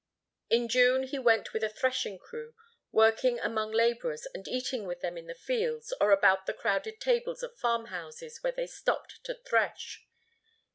In June he went with a threshing crew, working among labourers and eating with them in the fields or about the crowded tables of farmhouses where they stopped to thresh.